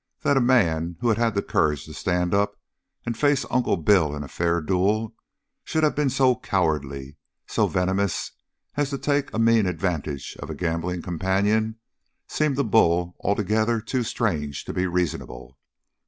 That a man who had had the courage to stand up and face Uncle Bill in a fair duel should have been so cowardly, so venomous as to take a mean advantage of a gambling companion seemed to Bull altogether too strange to be reasonable.